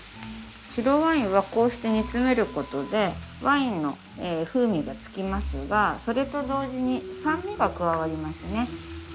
白ワインはこうして煮詰めることでワインの風味がつきますがそれと同時に酸味が加わりますね。